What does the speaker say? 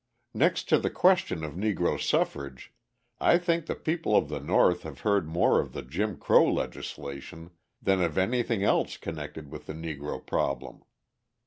Next to the question of Negro suffrage, I think the people of the North have heard more of the Jim Crow legislation than of anything else connected with the Negro problem.